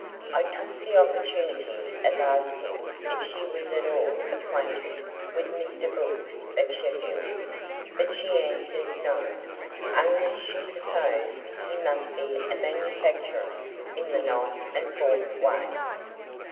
I took the opportunity of asking if she was at all acquainted with Mr. Brooks of Sheffield, but she answered No, only she supposed he must be a manufacturer in the knife and fork way.